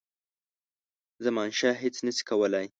زمانشاه هیچ نه سي کولای.